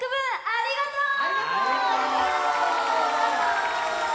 ありがとう！